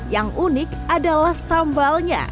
yang unik adalah sambalnya